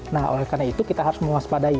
nah oleh karena itu kita harus menguas parah